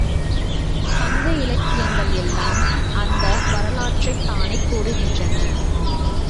சங்க இலக்கியங்கள் எல்லாம் அந்த வரலாற்றைத் தானே கூறுகின்றன.